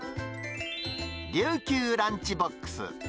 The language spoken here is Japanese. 琉球ランチボックス。